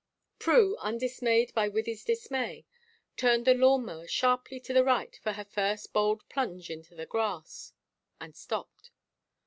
Prue, undismayed by Wythie's dismay, turned the lawn mower sharply to the right for her first bold plunge into the grass and stopped.